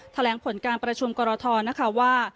แถลงผลการประชุมกรทนะคะว่า